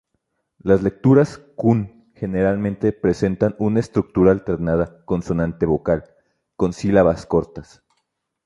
Las lecturas "kun" generalmente presentan una estructura alternada consonante-vocal, con sílabas cortas.